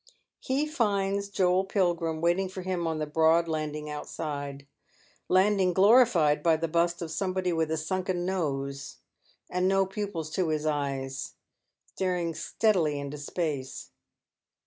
He finds Joel Pilgrim waiting for him on the broad landing outside — landing glorified by the bust of somebody with a sunken nose, and no pupils to his eyes, staring steadily into space.